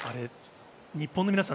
日本の皆さん